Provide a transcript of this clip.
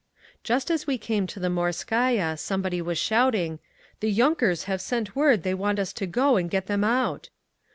Just as we came to the Morskaya somebody was shouting: "The yunkers have sent word they want us to go and get them out!"